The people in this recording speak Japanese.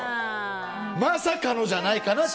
まさかのじゃないかなと。